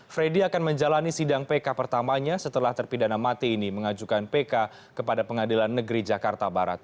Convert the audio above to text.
freddy akan menjalani sidang pk pertamanya setelah terpidana mati ini mengajukan pk kepada pengadilan negeri jakarta barat